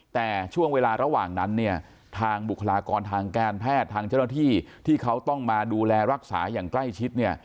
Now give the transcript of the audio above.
แต่ช่วงเวลาระหว่างนั้นเนี่ยทางบุคลากรทางการแพทย์ทางเจ้าหน้าที่ที่เขาต้องมาดูแลรักษาอย่างใกล้ชิดเนี่ย